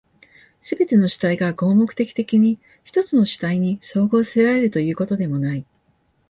すべての主体が合目的的に一つの主体に綜合せられるということでもない。